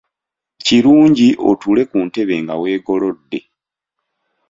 Kirungi otuule ku ntebe nga weegolodde .